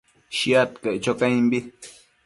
Shiad caic cho caimbi